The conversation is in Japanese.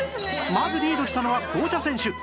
まずリードしたのは紅茶選手